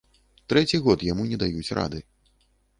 Трэці год яму не даюць рады.